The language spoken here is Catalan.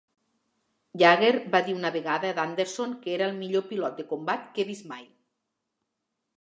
Yeager va dir una vegada d'Anderson que era el Millor pilot de combat que he vist mai.